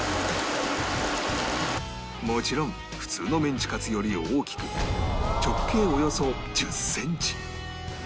もちろん普通のメンチカツより大きく直径およそ１０センチ